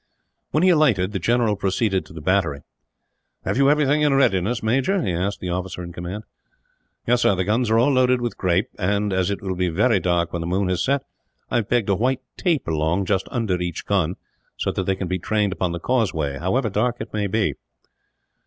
When he alighted, the general proceeded to the battery. "Have you everything in readiness, Major?" he asked the officer in command. "Yes, sir. The guns are all loaded with grape and, as it will be very dark when the moon has set, I have pegged a white tape along, just under each gun; so that they can be trained upon the causeway, however dark it may be."